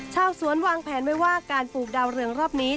ชาวสวนวางแผนไว้ว่าการปลูกดาวเรืองรอบนี้